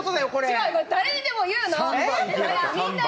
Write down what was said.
違うの、誰にでも言うの！